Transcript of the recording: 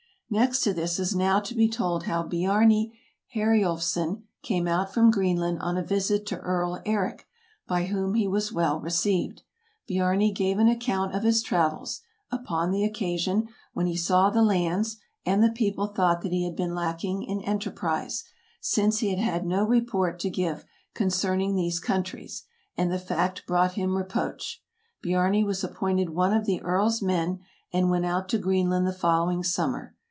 Next to this is now to be told how Biarni Heriulfsson came out from Greenland on a visit to Earl Eric, by whom he was well received. Biarni gave an account of his travels [upon the occasion] when he saw the lands, and the people thought that he had been lacking in enterprise, since he had no report to give concerning these countries ; and the fact brought him reproach. Biarni was appointed one of the Earl's men, and went out to Greenland the following sum mer.